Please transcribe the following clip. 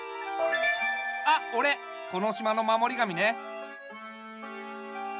あっおれこの島の守り神ね。